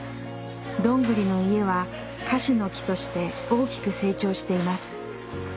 「どんぐりの家」は「樫の木」として大きく成長しています。